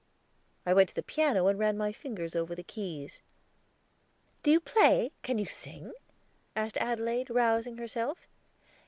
I went to the piano and ran my fingers over the keys. "Do you play? Can you sing?" asked Adelaide, rousing herself.